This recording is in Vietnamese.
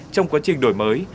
trong quá trình đổi mới